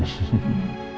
ya tapi papa liat